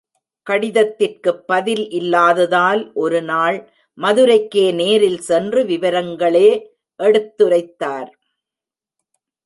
கடிதத்திற்குப் பதில் இல்லாததால் ஒரு நாள் மதுரைக்கே நேரில் சென்று விவரங்களே எடுத்துரைத்தார்.